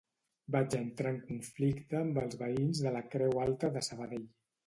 Vaig entrar en conflicte amb els veïns de la Creu Alta de Sabadell